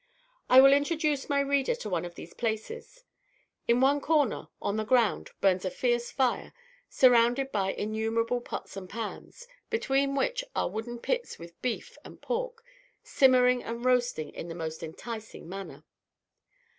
I will introduce my reader to one of these places. In one corner, on the ground, burns a fierce fire, surrounded by innumerable pots and pans, between which are wooden spits with beef and pork, simmering and roasting in the most enticing manner.